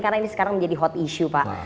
karena ini sekarang menjadi hot issue pak